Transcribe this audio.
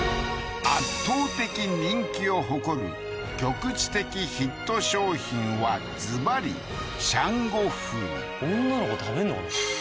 圧倒的人気を誇る局地的ヒット商品はズバリシャンゴ風女の子食べんの？